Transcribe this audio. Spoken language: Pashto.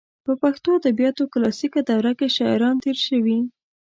په پښتو ادبیاتو کلاسیکه دوره کې شاعران تېر شوي.